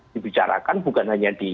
dibicarakan bukan hanya di